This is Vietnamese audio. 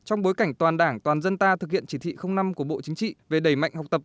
trong bối cảnh toàn đảng toàn dân ta thực hiện chỉ thị năm của bộ chính trị về đẩy mạnh học tập